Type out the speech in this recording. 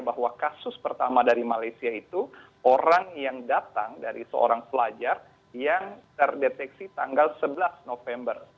bahwa kasus pertama dari malaysia itu orang yang datang dari seorang pelajar yang terdeteksi tanggal sebelas november